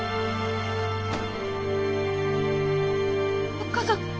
おっ母さん！